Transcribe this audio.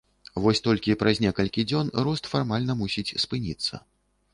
Вось толькі праз некалькі дзён рост фармальна мусіць спыніцца.